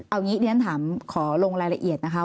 เอางี้เรียนถามขอลงรายละเอียดนะคะ